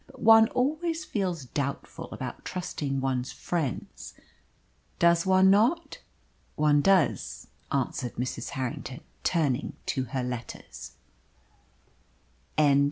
But one always feels doubtful about trusting one's friends does one not?" "One does," answered Mrs. Harrington, turning to her letters. CHAPTER XI.